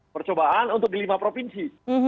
percobaan untuk di lima provinsi